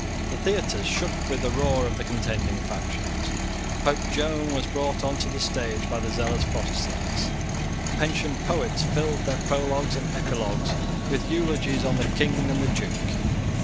The theatres shook with the roar of the contending factions. Pope Joan was brought on the stage by the zealous Protestants. Pensioned poets filled their prologues and epilogues with eulogies on the King and the Duke.